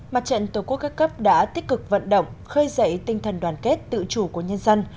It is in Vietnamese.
mặt trận tổ quốc các cấp đã tích cực vận động khơi dậy tinh thần đoàn kết tự chủ của nhân dân